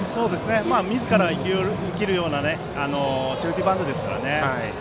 みずから生きるようなセーフティーバントですからね。